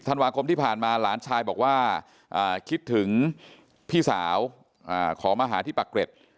ธันวาคมที่ผ่านมาหลานชายบอกว่าคิดถึงพี่สาวขอมาหาที่ปักเกร็ด